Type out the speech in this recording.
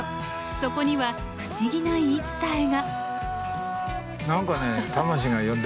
そこには不思議な言い伝えが。